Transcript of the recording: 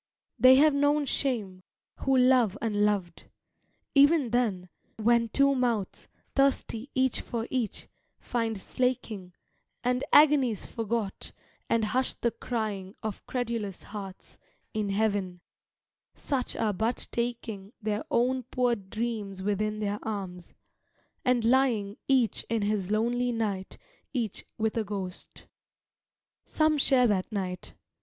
They have known shame, who love unloved. Even then, When two mouths, thirsty each for each, find slaking, And agony's forgot, and hushed the crying Of credulous hearts, in heaven such are but taking Their own poor dreams within their arms, and lying Each in his lonely night, each with a ghost. Some share that night.